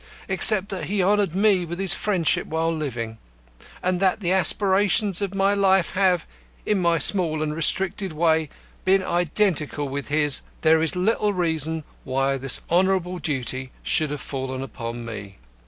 Except that he honoured me with his friendship while living, and that the aspirations of my life have, in my small and restricted way, been identical with his, there is little reason why this honourable duty should have fallen upon me.